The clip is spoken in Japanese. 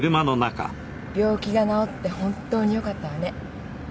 病気が治って本当によかったわね。